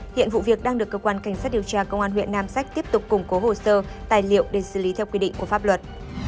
hiện vụ việc đang được cơ quan cảnh sát điều tra công an huyện nam sách tiếp tục củng cố hồ sơ tài liệu để xử lý theo quy định của pháp luật